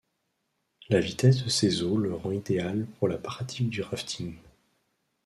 La vitesse de ses eaux le rend idéal pour la pratique du rafting.